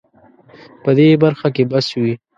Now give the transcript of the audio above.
په دې برخه کې بس وي